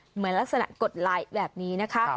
เหมือนลักษณะกดไลค์แบบนี้นะคะ